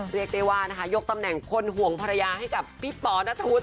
เรียกได้ว่านะคะยกตำแหน่งคนห่วงภรรยาให้กับพี่ป๋อนัทธวุฒ